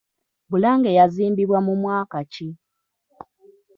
Bulange yazimbibwa mu mwaka ki?